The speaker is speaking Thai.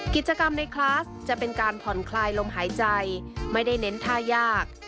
กิจกรรมในคลาสจะเป็นการผ่อนคลายลมหายใจไม่ได้เน้นท่ายาก